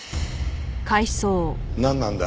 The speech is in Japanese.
なんなんだ？